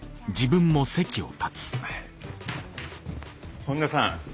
本田さん